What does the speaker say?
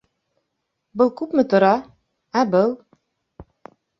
Был күпме тора? Ә был?